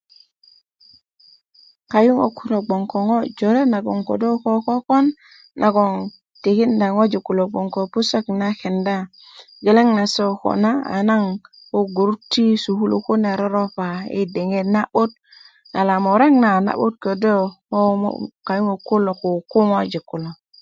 kayuŋök kulo gboŋ ko ŋo' jore naŋ ko kokon nagon tikinda ŋojik kulo gboŋ ko pusök na kenda geleŋ nase koo na a naŋ di ko gurut ti sukulu kune roropa i diŋit na'but yala murek na ködö ko kayuŋö kulo kuku ŋojik kulo